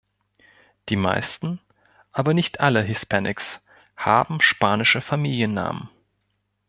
Die meisten, aber nicht alle Hispanics, haben spanische Familiennamen.